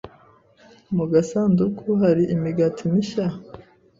Mu gasanduku hari imigati mishya?